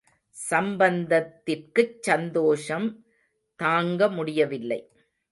சம்பந்தத்திற்குச் சந்தோஷம் தாங்க முடியவில்லை.